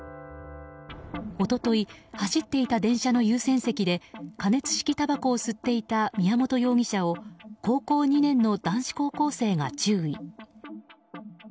一昨日、走っていた電車の優先席で加熱式たばこを吸っていた宮本容疑者を高校２年の男子高校生が注意。